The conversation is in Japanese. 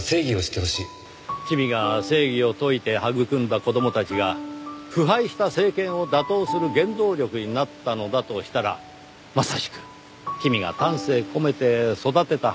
君が正義を説いて育んだ子供たちが腐敗した政権を打倒する原動力になったのだとしたらまさしく君が丹精込めて育てた花が開いた結果。